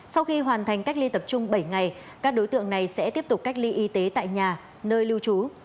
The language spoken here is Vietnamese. sau khi hoàn thành cách ly tập trung bảy ngày các đối tượng này sẽ tiếp tục cách ly y tế tại nhà nơi lưu trú